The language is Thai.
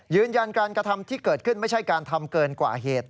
ยืนยันการกระทำที่เกิดขึ้นไม่ใช่การทำเกินกว่าเหตุ